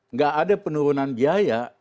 nggak ada penurunan biaya